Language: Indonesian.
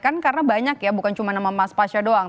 kan karena banyak ya bukan cuma nama mas pasyo doang